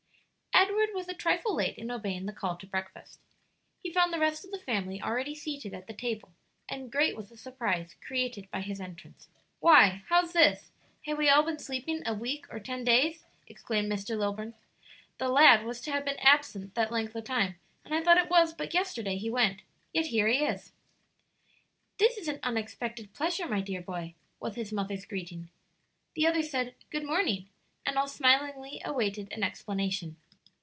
Edward was a trifle late in obeying the call to breakfast. He found the rest of the family already seated at the table, and great was the surprise created by his entrance. "Why, how's this? hae we all been sleepin' a week or ten days?" exclaimed Mr. Lilburn. "The lad was to hae been absent that length o' time, and I thought it was but yesterday he went; yet here he is!" "This is an unexpected pleasure, my dear boy," was his mother's greeting. The others said "Good morning," and all smilingly awaited an explanation.